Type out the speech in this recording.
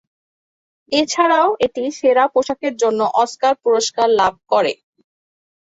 এছাড়াও এটি সেরা পোশাকের জন্য অস্কার পুরস্কার লাভ করে।